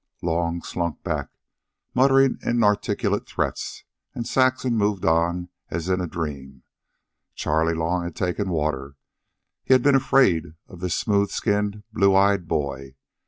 Long slunk back, muttering inarticulate threats, and Saxon moved on as in a dream. Charley Long had taken water. He had been afraid of this smooth skinned, blue eyed boy.